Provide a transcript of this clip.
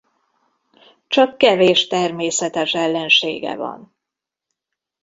Csak kevés természetes ellensége van.